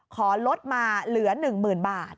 ขอลดมาเหลือ๑๐๐๐บาท